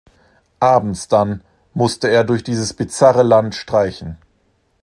Abends dann musste er durch dieses „bizarre Land“ streichen.